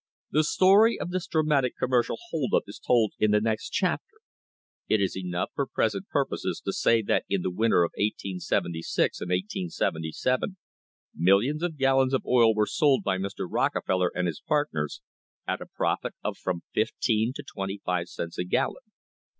The story of this dramatic commercial hold up is told in the next chapter; it is enough for present purposes to say that in the winter of 1 876 1 877 millions of gallons of oil were sold by Mr. Rockefeller and his partners at a profit of from fifteen to twenty five cents a gallon.